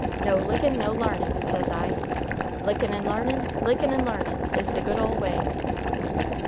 No lickin', no l'arnin', says I. Lickin' and l'arnin,' lickin' and larnin', is the good ole way."